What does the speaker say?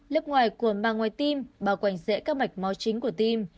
lớp ngoài của màng ngoài tim bao quanh dễ các mạch máu chính của tim